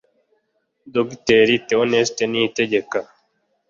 Dogiteri Theoneste Niyitegeka